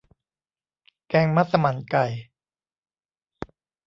แกงมัสมั่นไก่